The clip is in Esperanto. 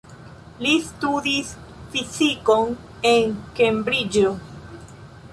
Li studis fizikon en Kembriĝo.